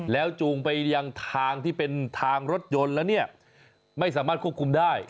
แล้วจูงไปยังทางที่เป็นทางรถยนต์แล้วเนี่ยไม่สามารถควบคุมได้